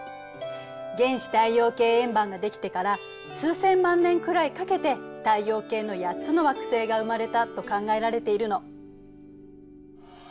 原始太陽系円盤ができてから数千万年くらいかけて太陽系の８つの惑星が生まれたと考えられているの。